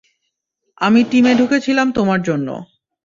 আমি টিমে ঢুকেছিলাম তোমার জন্য।